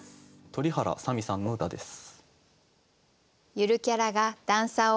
鳥原さみさんの歌です。